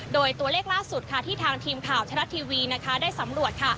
โดยตัวเลขล่าสุดค่ะที่ทางทีมข่าวชะละทีวีได้สำรวจ